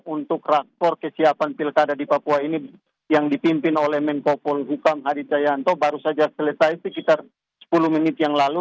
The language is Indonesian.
untuk rakpor kesiapan pilkada di papua ini yang dipimpin oleh menko polhukam hadi cayanto baru saja selesai sekitar sepuluh menit yang lalu